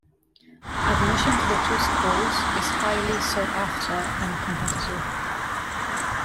Admission to the two schools is highly sought-after and competitive.